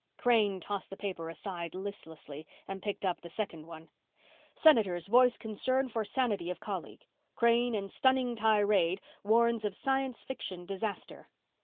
Crane tossed the paper aside listlessly and picked up the second one: SENATORS VOICE CONCERN FOR SANITY OF COLLEAGUE CRANE IN STUNNING TIRADE WARNS OF SCIENCE FICTION DISASTER.